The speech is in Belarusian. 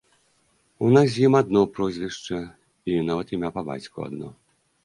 У нас з ім адно прозвішча і нават імя па бацьку адно.